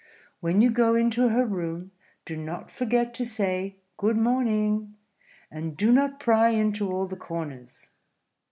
When you go into her room, do not forget to say 'Good morning'; and do not pry into all the corners."